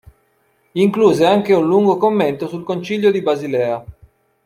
Incluse anche un lungo commento sul Concilio di Basilea.